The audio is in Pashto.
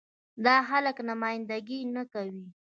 دا خلک نماينده ګي نه کوي.